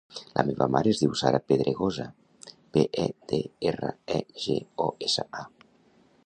La meva mare es diu Sara Pedregosa: pe, e, de, erra, e, ge, o, essa, a.